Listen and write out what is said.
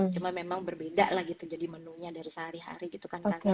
cuma memang berbeda lah gitu jadi menunya dari sehari hari gitu kan karena